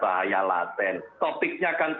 bahaya laten topiknya kan